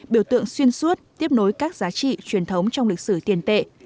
biểu tượng xuyên suốt tiếp nối các giá trị truyền thống trong lịch sử tiền tệ